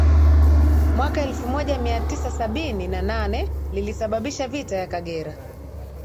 mwaka elfu moja mia tisa sabini na nane lilisababisha Vita ya Kagera